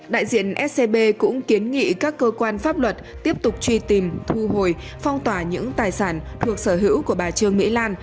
đại diện scb cũng kiến nghị các cơ quan pháp luật tiếp tục truy tìm thu hồi phong tỏa những tài sản thuộc sở hữu của bà trương mỹ lan